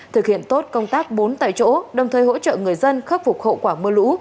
thực hiện tốt công tác bốn tại chỗ đồng thời hỗ trợ người dân khắc phục hậu quả mưa lũ